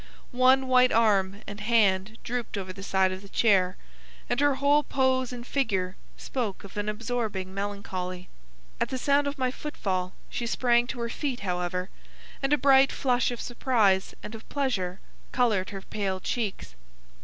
One white arm and hand drooped over the side of the chair, and her whole pose and figure spoke of an absorbing melancholy. At the sound of my foot fall she sprang to her feet, however, and a bright flush of surprise and of pleasure coloured her pale cheeks.